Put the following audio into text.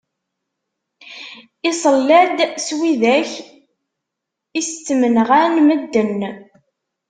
Iṣella-d s widak i s ttmenɣan medden.